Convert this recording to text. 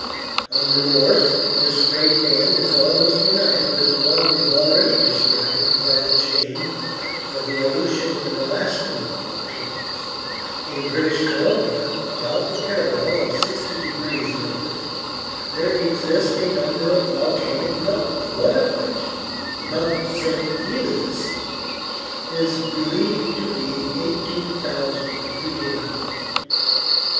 On the north this great band is almost united with the one we have already described by the chain of the Aleutian and Alaska volcanoes. In British Columbia about the parallel of 60 degrees N. there exist a number of volcanic mountains, one of which, Mount St. Elias, is believed to be 18,000 feet in height.